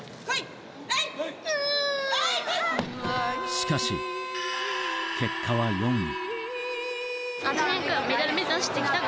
しかし、結果は４位。